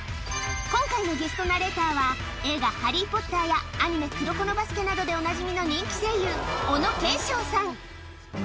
今回のゲストナレーターは映画『ハリー・ポッター』やアニメ『黒子のバスケ』などでおなじみの人気声優小野賢章さん